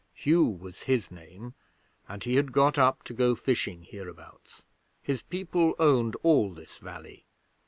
Hugh was his name, and he had got up to go fishing hereabouts. His people owned all this valley.